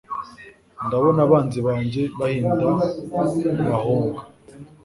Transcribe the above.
Ndabona abanzi banjye bihinda bahunga